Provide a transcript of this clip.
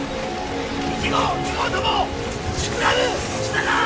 １号２号ともスクラムしたな！